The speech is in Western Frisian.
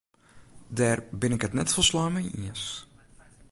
Dêr bin ik it folslein mei iens.